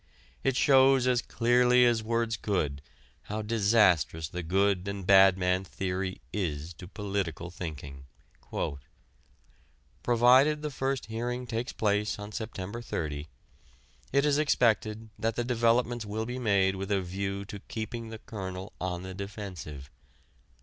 It shows as clearly as words could how disastrous the good and bad man theory is to political thinking: "Provided the first hearing takes place on September 30, it is expected that the developments will be made with a view to keeping the Colonel on the defensive.